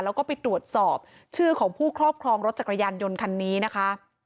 แล้วก็ไปตรวจสอบชื่อของผู้ครอบครองรถจักรยานยนต์คันนี้นะคะ